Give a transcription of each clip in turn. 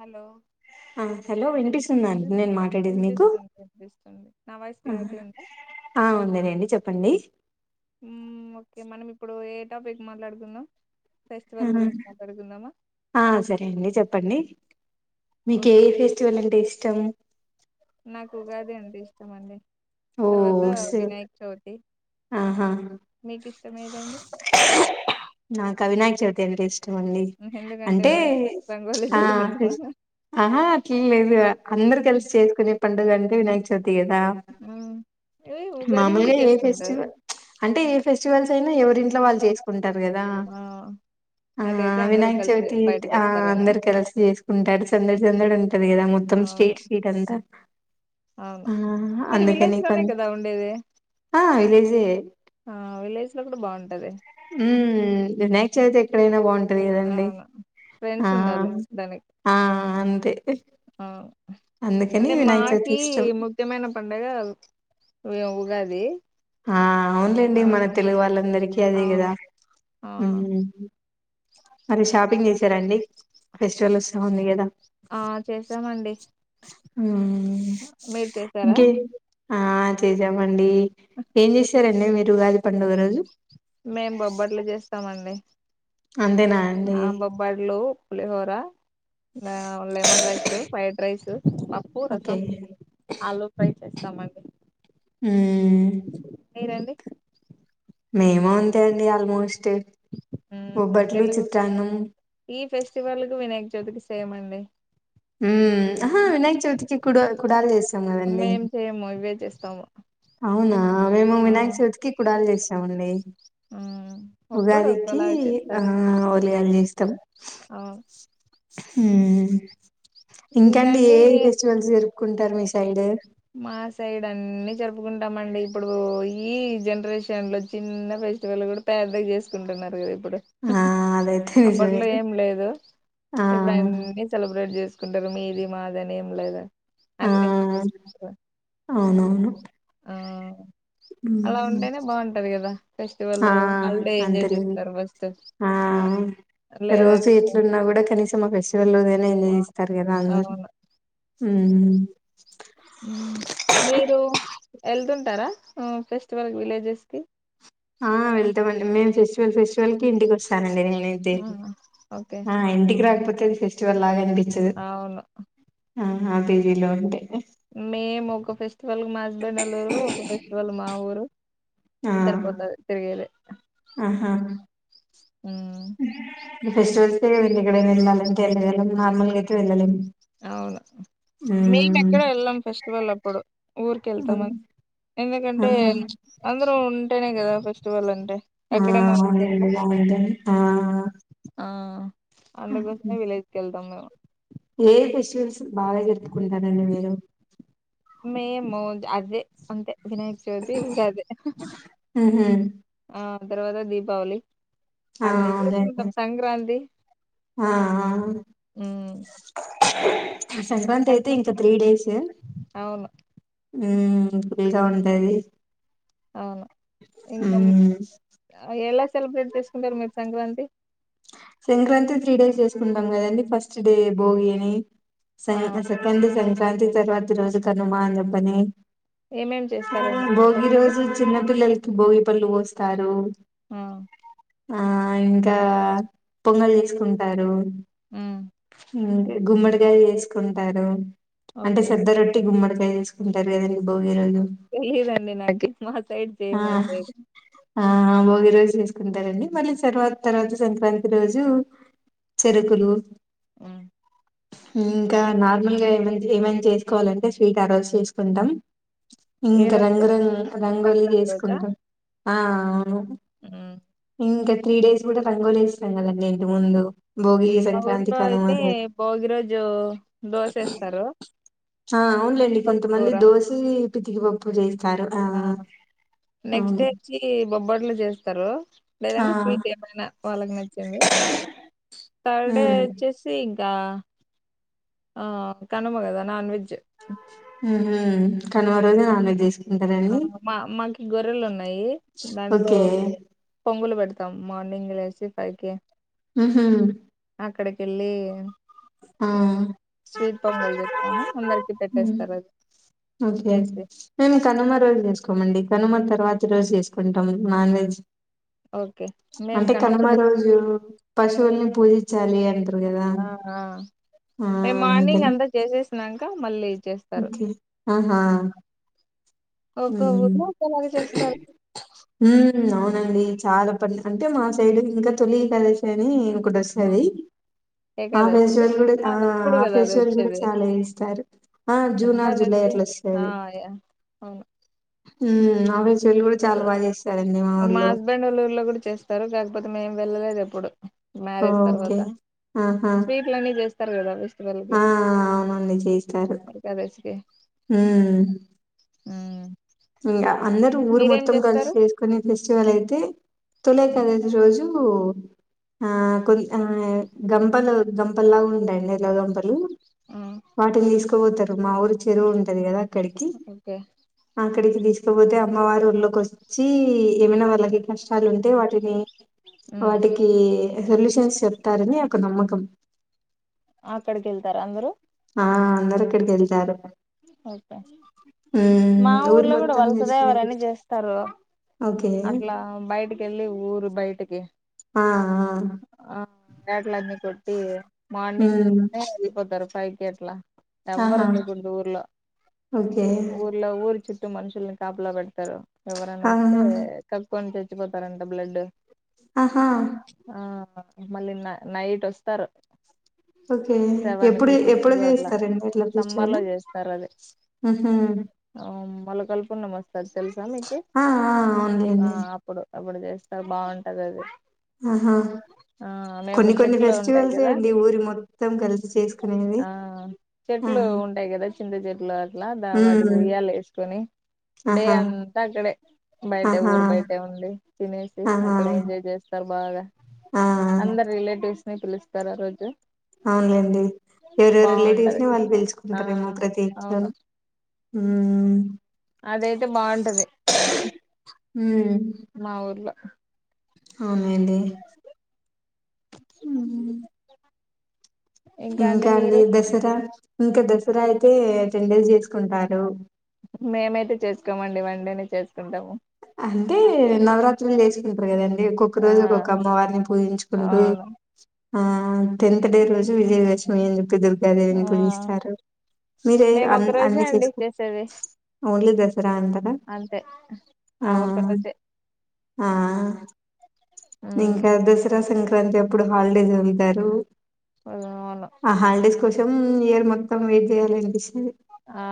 Hello ఆ hello వినిపిస్తోందా అండి నేను మాట్లాడేది మీకు వినిపిస్తుంది వినిపిస్తుంది నా వాయిస్ క్లారిటీ ఉందా ఆ ఉందిలెండి చెప్పండి హు ఓకే మనం ఇప్పుడు ఏ టాపిక్ మాట్లాడుకుందాం ఫెస్టివల్ హ్మ్ గురించి మాట్లాడుకుందామా ఆ సరే అండి చెప్పండి మీకు ఏ ఒకే ఫెస్టివల్ అంటే ఇష్టం నాకు ఉగాది అంటే ఇష్టం [unintelligible] ఓ తర్వాత సే వినాయక్ చవితి ఆహా మీకు ఇష్టం ఏదండి వినయక చవితి అంటే ఇష్ మండి ఎందుకంటే అంటే రంగోలి ఆ జల్లుకుంటామా ఆహా అట్ల లేదు అందరు కలిసి చేసుకునే [unintelligible] [unintelligible] వినాయక్ చవితి [unintelligible] మ్మ్ ఇవి ఉగాది కూడా మామూలుగా ఏ చేసుకుంటారు ఫెస్టివల్ అంటే ఏ ఫెస్టివల్స్ అయినా ఎవరింట్లో వాళ్ళు చేసుకుంటారు కదా ఆ ఆ అదైతే అందరూ వినాయక కలిసి చవితి బయటకు ఆ వస్తారని అందరు కలిసి చేసుకుంటారు సందడి సందడి ఉంటది కదా మొత్తం అవును స్ట్రీట్ స్ట్రీట్ అంత అవును ఆ మీరు అందుకని విలేజ్ లోనే కదా ఉండేది ఆ విలేజే విలేజ్ లో కూడ బాన్ అదే ఉమ్ వినాయక చవితి ఎక్కడైనా బాగుం టది కదండి అవును ఫ్రెండ్స్ ఆ ఉండాలి దానికి ఆ అంతే అవును అందుకని అంటే వినాయక చవితి మాకి ఇష్టం ముఖ్యమైన పండగ [unintelligible] ఉగాది ఆ అవునులేండి ఆ మన తెలుగు వాళ్ళందరికీ అదే కద అవును ఆ మరి షా పింగ్ చేసారండి ఫెస్టివల్ ఉంది కదా ఆ చేసామండి హు మీరు చేసారా ఇంకే ఆ చేసామండి ఏం చేసారండి మీరు ఉగాది పండుగ రోజు మేం బొబ్బట్లు చేస్తామండి అంతేనా అండి పలేహోర లెమన్ రైస్ ఫ్రైడ్ రైస్ పప్పు ఓకే రసం ఆలు ఫ్రై చేస్త టమాటో ఊ మీరు అండి మేము అంతే అండి ఆల్మోస్ట్ ఉమ్, బొబ్బట్లు చిత్రానం స్టివల్ కు వినాయక చవితి కి సేమ్ అండి ఊ ఆహా వినాయక చవితికి కుడ కుడాలు చేస్తాం కదండీ మేం చేయము ఇవే చేస్తాము అవునా మేము ఆ వినాయక చవితికి కుడాలు చేస్ స్తామండి ఉమ్, ఒక్కోరు ఉగాదికి ఒక్కోలాగా ఆ చేస్తారా ఓళిగలు జేస్ [unintelligible] ఆ హు ఇంకా అండి ఏ ఏ ఫెస్టివల్స్ జరుపుకుంటారు మీ సైడు మా సైడ్ అన్నీ జరుపుకుంటామండి, ఇప్పుడు ఈ జనరేషన్ లో చిన్న ఫెస్టివల్ కూడా పెద్దగా చేసుకుంటున్నారు కద. ఇప్పుడు ఆ అదైతే నిజమే అప్పట్లో ఏం లేదు ఆ ఇప్పుడు అన్నీ సెలబ్రేట్ చేసుకు జరుపుకుంటారు మీది మాది అని ఏం లేదు అ ఆ అన్ని చేసుకుంటారు అవునవును ఆ అలా మ్మ్ ఉంటేనే బాగుంటది కదా ఆ ఫెస్టివల్లు హాలిడే ఎంజాయ్ అంతేలేండి చేస్తారు ఫస్ట్ ఆ లేదంటే మ్ ఫెస్ వల్ రోజు అయిన ఎంజాయ్ ఆ, చేస్తారు కదా అందరు అవును ఉమ్ మీరు వెళ్తుంటారా ఫెస్టివల్ కి విలేజెస్ కి ఆ వెళ్తామండి మేం చేస్ ప్రతి ఫెస్టివల్ కి ఇంటికి వస్ స్తానండి నేను అయితే ఆ, ఓకే ఆ ఇంటికి రాకపోతె [unintelligible] ఫెస్టివల్ లాగ అనిపించదు అవును ఆ పీజి లో ఉంటే మేము ఒక ఫెస్టివల్ కి మా హస్బెండొళ్ళూరు ఒక ఫెస్టివల్ మా ఊరు హలో ఆ సరిపోతాది తిరిగేదే ఆహా [unintelligible] ఉమ్ మళ్ళ ఇంకేం [unintelligible] నార్మల్ గైతే వెళ్ళలేం అవును మెయిన్ ఎక్కడ వెళ్ళం ఫెస్టివల్ అప్పుడు ఊరికెళ్తామ ఎందుకంటే ఆహా అందరూ ఉంటేనే కదా ఫెస్టివల్ అంటే ఎక్కడన్నా వెళ్తే ఎట్లా ఆ [unintelligible] అందుకోసమే విలేజ్ కెళ్తాం మేము ఏ ఫెస్టివల్స్ బాగా జరుపుకుంటారండి మీరు మేముద్ అదే అంతే వినాయక్ చవితి ఉగాదే మ్మ్ హ్మ్ ఆ తర్వాత దీపావళి ఆ అన్ని అవునులేండి జరుపుకుంటాం సంక్రాంతి ఆ ఉమ్ సంక్రాంతి అయితే ఇంక త్రీ డేస్ అవును హ్మ్ ఫ్రీగా ఉంటది అవును ఇంక ఉమ్ [inaudible] ఎలా సెలబ్రేట్ చేసుకుంటారు మీరు సంక్రాంతి సంక్రాంతి త్రీ డేస్ చేసుకుంటాం కదండి ఫస్ట్ డే భోగి అని సె ఆ సెకండ్ సెంక్ క్రాంతి తర్వాత ఈరోజు కనుమ నెబ్బని ఏమేం చేస్తారండి భోగి సంక్రాంతికి రోజు చిన్నపిల్లలు భోగిపళ్ళు పోస్తారు ఆ ఆ ఇంకా పొంగల్ చేసుకుంటారు ఉమ్ ఇంక్ గుమ్మడి డల్ చేసుకుంటారు అంటే ఓకే సద్ద రొట్టి గుమ్మడి ఫ్రై చేసుకుంటారు కదండీ బో తెలీదండి నాకి మా సైడ్ ఆ చేయమండి అది ఆ భోగి రోజు చేసుకుంటారండి మళ్ళీ తర్వాత తర్వాత సంక్రాంతి రోజు చెరుకులు ఉమ్ ఇంకా నార్మల్గా ఏమై ఏమైనా చేసుకోవాలంటే స్వీట్ ఆరోజు చేసుకుంటాం ఏ ఇంకా రోజు రంగురంగు రంగోలి సంక్రాంతి చేసుకుంటాం ఆ అవును హ్మ్ ఇంకా త్రీడేస్ కూడా రంగులేసి ఉంటాం కదండీ ఇంటిముందు మా ఊర్లో అయితే భోగి రోజు దోశఏస్తారు ఆ అవునులేండి పప్పు కొంతమంది కూర దోసి పితికి పప్పు చేస్తారు ఆ నెక్స్ట్ అవును డే వచ్చి బొబ్బట్లు చేస్తారు ఆ లేదంటే స్వీట్ ఏమైనా వాళ్ళకి నచ్చి ఏంది తర్డే ఉమ్ వచ్చేసి ఇంకా ఆ కనుమగదా నాన్ వెజ్ హ్మ్ కనుమ రోజే నాన్వెజ్ చెసిం ఆ మా మంకీ గొర్రెలు ఉన్నా యి దాంట్లో ఓకే పొంగులు పెడతాం మా ల్డింగ్ లేసీ పైకి మ్మ్ పెళ్ళి మ్మ్ స్వీట్ పొంగలు చేస్తాము అందరికి పెట్టేస్తారు అ ఓకే చేసి మేము కనుమ రోజు చేసుకోమండి కనుమ తర్వాతి రోజు చేసుకుంటాం నాన్ వెజ్ ఓకే మేము అంటే కనుక కనుమ రోజు పశువుల్ని పూజించాలి అంట ఆ [unintelligible] ఆ మే మార్నింగ్ అంతా చేసేస్ ఇంకా మళ్ళీ చేస్తారు ఓకే హా హా ఒక్క మ్మ్ ఊర్లో ఒకేలాగా చేస్తారు అవునండి మ్మ్ చాలా పని అంటే మా శైలికి ఇంకా చలి కలిసినాయి అని ఆ, ఒకటొసారి ఆ ఏకాదశికి ఫెస్టివల్ కూడా ఆ ఇప్పుడు ఆ కదా అది ఫెస్టివల్ కూడా వచ్చేది చాలా ఇస్తారు ఆ జూన్ ఆ జూలై ఏకాదశి అట్ల్ ఆ వస్తాది యా, అవును మ్మ్ ఆవెస్ చెల్లు కూడా చాలా బాగా చేస్తారు మా హస్బెండ్ ళ్లఊర్లో కూడా చేస్తారు కాక్ కాకపోతే మేం వెళ్ళలేదు ఎప్పుడు మ్యారేజ్ ఓకే. తర్వాత ఆహా! స్వీట్లన్నీ చేస్తా చెప్పలి కదా విష్ వెళ్ళదే ఆ! అవునండి చేస్తారు. ఎకాదసి ఉమ్ ఇకా అందరూ ఊరు మొత్తం కలిసి చేసుకునే ఫెస్టివల్ అయితే తుల కనేది రోజు ఉమ్ ఆ కొ ఆ గంపలు గంపలాగా ఉండండి ఇలా గంపలు వాటిని తీసుకు దువు తారు మా ఊరి చెరువు ఉంటది కదా అక్కడికి. ఓకే అక్కడికి తీసుకపోతే అమ్మవారు ఊళ్ళలోకి వచ్చి ఏమైనా వాళ్ళకి కష్టాలు ఉంటే వాటిని వాటికి సొల్యూషన్స్ చెప్తారని ఒక నమ్మకం అక్కడికి వెళ్తారు అందరూ ఆ అందరు అక్కడికెళ్తారు ఓకే హ్మ్. మా ఊరు ఊర్లో కూడా మొత్తం వలస దేవర చేసుకునే అని చేస్తారు ఓకే అట్లా బయటికి వెళ్ళి ఊరు బయటికి ఆ ఆ యాట్లన్నీ కొట్టి మార్నింగ్ హ్మ్ వెళ్ళిపోతారు ఫైవ్ కి అట్లా ఎవరు ఆహా! ఉండకూడదు ఊర్లో ఓకే. ఊర్లో ఊరు చుట్టూ మనుషుల్ని కాపలా పెడతారు ఎవరన్నా వస్తే ఆహా! క కోడిని చచ్చిపోతారంట బ్లడ్ ఆహా! ఆ మళ్ళీ న నైట్ వస్తారు ఓకే సెవెన్ కు ఎప్పుడు ఎప్పుడు చేస్తారండి అట్లా ఫెస్టివల్ కరదే హుహు. మొలకలు పున్నమి వస్తే సాధి తెలుసా మీకి ఆ! ఆ! ఆ అవునులెండి. అప్పుడు అప్పుడు చేస్తారు బాగుంటది అది ఆహా ఆ మేము కొన్ని కొన్ని చెట్లు ఉంటాయి ఫెస్టివల్సే కదా అండి ఊరి మొత్తం కలిసి చేసుకునేది ఆ చెట్లు ఆహా ఉంటాయి కదా చింత చెట్ల అట్ల దా వాటికి హ్మ్. ఉయ్యాల్లు ఏసుకొని, డే ఆహా! అంతా అక్కడే బయట ఆహా! ఊరు బయట ఉండి తినేసి ఆహా! అక్కడ ఎంజాయ్ చేస్తారు బాగా, ఆ! అందరు రిలేటివ్స్ పిలుస్తారు ఆరోజు ఔన్లేండి ఎవరి ఎవరి రిలేటివ్స్ బాగుంటది ని వాళ్ళు ఆ పిలుచుకుంటరు ఏమో ప్ర అవును కిట్రల్ ఉఉ అదైతే బాగుంటది ఉ మా ఊర్లో ఔన్నేండి. ఉహు ఇంకా అండి దసరా ఇంకా దసరా అయితే టెన్ డేస్ చేసుకుంటారు. మేమైతే చేసుకోమండి వన్ డేనే చేసుకుంటాము. అంటే నవరాత్ త్రులు చేసుకుంట్రరు కదంన్ ఒక్కొక్క ఆ రోజు ఒక్కొక్క అమ్మవారిని పూయించుకుంటు అవును ఆ టెన్త్ డే రోజు విజయ్ వచ్ ఏం చెప్పె దెల్ ఆ లేదేన్ పుజిస్సారు, మీరేయ్ మేము అన్ ఒక రోజే అన్ని అండి చేచుకు చేసేది ఒన్లీ దస్ అంతే ఆ ఒక్క రోజే ఆ ఉమ్ ఇంకా దసరా సంక్ క్రాంతి ఎప్పుడు హాలిడేస్ ఉంటారు. అవును ఆ హల్డేస్ కోసం ఇయర్ మొ త్తం వెయిట్ చేయాలి అనిపిస్స్ ఆ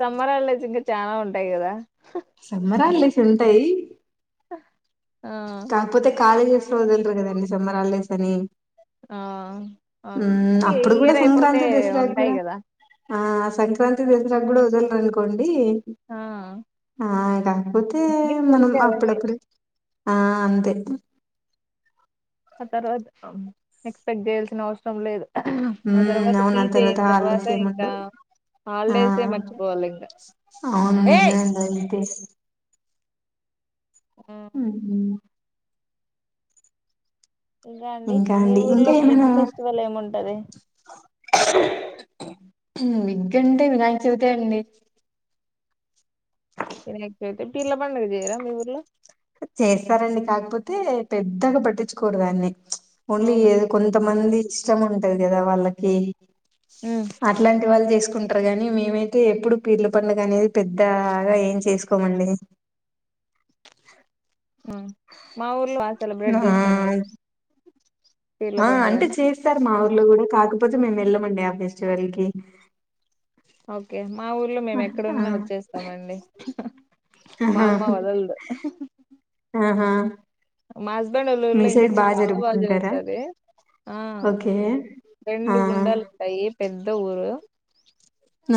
సమ్మరాల్లేస్ ఇగ్ చానా ఉంటయ్ కదా సమ్మరాల్లేస్ ఉంటయి. అ కాకపోతే కాలేజెస్ లో ఒదల్ ర్రు కదండి సమ్మరాల్లేస్ తని ఆ ఊ అవును ఈ అప్పుడు కూడా ఇయర్ అయిపోతే సంక్రాంతి దసరాకు ఉంటాయి కూడా కదా ఆ సంక్రాంతి దసరాకు కూడా వదలరునుకోండి ఆ ఆ కాకపోతే డిగ్రీకి మనం వెళ్తే అవన్నీ అప్పుడప్పుడు ఆ అంతే ఆ తర్వాత ఎక్స్పెక్ట్ చేయాల్సిన అవసరం లేదు ఆ హూమ్ తర్వాత అవును ఆ పీజీ తర్వాత అయిన [unintelligible] ఇంకా సీముంటడు ఆ హాలిడేసే మర్చిపోవాలి ఇంకా అవును ఏయ్ ఇంటి హుమ్ ఇంకా అండి మీ ఊర్లో బిగ్ ఫెస్టివల్ ఏముంటది విగ్గంటే వినాయకచవితె అండి ఇ ఎక్ అయితే పిర్ల పండగ చేయరా మీ ఊర్లో చేస్తారండి కాకపోతే పెద్దగా పట్టించుకోడుదాన్ని ఓన్లీ అవునా కొంతమంది ఇష్టం ఉంటది కదా వాళ్ళకి అట్లాంటి వాళ్ళు చేసి తీకుంటారు కాని మేమైతే ఎప్పుడు పీర్లు పండగ అనేది పెద్దగా ఏం చేసుకో కొనండి మా ఊర్లో ఆ సెలబ్రేట్ చేస్తాండి ఆ అంటే చేస్తారు మా ఊ కూడా కాకపోతే మేము వెళ్ళమండి ఆ ఫెస్టివల్ కి ఓకే మా ఊర్లో ఆ, మేము ఎక్కడున్నా వచ్చేస్తామండి హాహా మా ఆహా అమ్మ వదలదు హాహా ఆహా మా హస్బెండ్ వాళ్ళు మీ ఊళ్ళో ఇంకా సైడ్ చాలా బాగా జరుపుకుంటారా జరుగుతాది ఆ ఓకే ఆ రెండు గుండలు ఉంటాయి పెద్ద ఊరు ఆ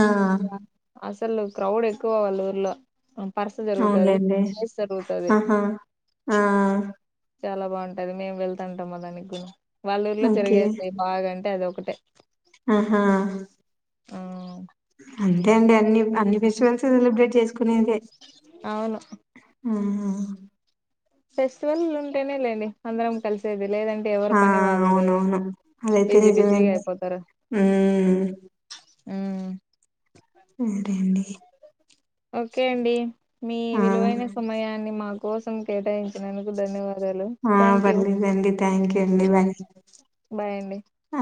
అసలు క్రౌడ్ ఎక్కువ వాళ్ళ ఊర్లో పరస జరుగుతది అవునులేండి పస్ జరుగుతది ఆహా ఆ చాలా బాగుంటది మేము వెళ్తాంటామా దానికి వాళ్ళ ఊర్లో ఓకే జరిగేది బాగా అంటే అది ఒక ఒకటే ఆహా ఆ అంతే అండి అన్ని అన్ని ఫెస్టివల్స్ సెలబ్రేట్ చేసు అవును ఆ ఫెస్టివల్ ఉంటేనే లేండి అందరం కలిసేది లేదంటే ఎవరి ఆ పని వాళ్ళది అవునవును అదైతే బిజీ నిజమే బిజీగా అయిపోతారు ఉమ్... ఉ... పోండి అండి ఓకే అండి మీ ఆ విలువైన సమయాన్ని మాకు కోసం కేటాయించినందుకు ధన్యవాద ఆ బండి బండి థ్యాంకూ అండి బాయ్ బాయ్ అండి ఆ